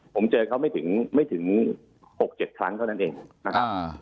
ผมเจอเขาไม่ถึงไม่ถึง๖๗ครั้งเท่านั้นเองนะครับ